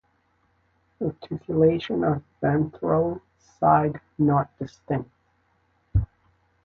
Reticulation of ventral side not distinct.